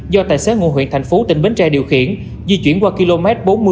do tài xế ngôi huyện tp bến tre điều khiển di chuyển qua km bốn mươi sáu trăm năm mươi